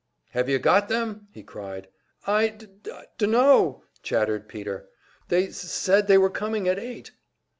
"Have you got them?" he cried. "I d d dunno!" chattered Peter. "They s s said they were c coming at eight!"